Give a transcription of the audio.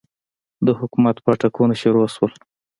د حکومت پاټکونه شروع سول.